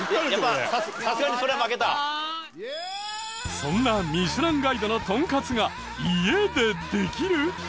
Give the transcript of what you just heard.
そんな『ミシュランガイド』のトンカツが家でできる！？